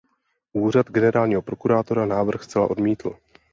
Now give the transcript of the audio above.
Úřad generálního prokurátora návrh zcela odmítl.